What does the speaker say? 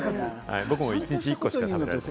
僕も一日１個しか食べない。